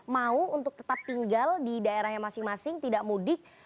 mau untuk tetap tinggal di daerahnya masing masing tidak mudik